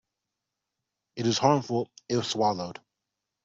It is harmful if swallowed.